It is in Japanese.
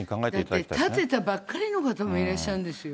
だって建てたばっかりの方もいらっしゃるんですよ。